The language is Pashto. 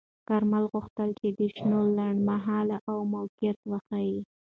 کارمل غوښتل د شتون لنډمهاله او موقت وښيي.